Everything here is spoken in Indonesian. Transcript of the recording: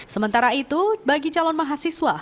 sementara itu bagi calon mahasiswa